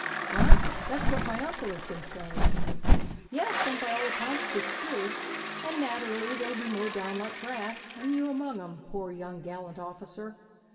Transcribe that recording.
'Front! That's what my uncle has been saying.' 'Yes, and by all accounts 'tis true. And naterelly they'll be mowed down like grass; and you among 'em, poor young galliant officer!'